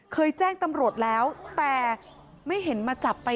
เคยแจ้งตำรวจแล้วแต่ไม่เห็นมาจับไป